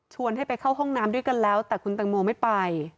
ให้ไปเข้าห้องน้ำด้วยกันแล้วแต่คุณตังโมไม่ไป